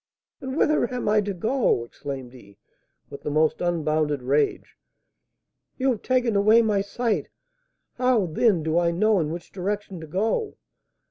"And whither am I to go?" exclaimed he, with the most unbounded rage. "You have taken away my sight; how, then, do I know in which direction to go?